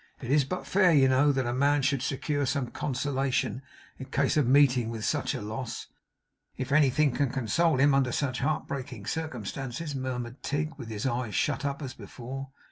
It is but fair, you know, that a man should secure some consolation in case of meeting with such a loss.' 'If anything can console him under such heart breaking circumstances,' murmured Tigg, with his eyes shut up as before.